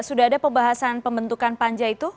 sudah ada pembahasan pembentukan panja itu